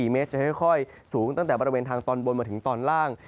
เมตรจะค่อยสูงตั้งแต่บริเวณทางตอนบนมาถึงตอนล่าง